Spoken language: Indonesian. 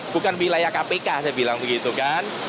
bukan wilayah kpk saya bilang begitu kan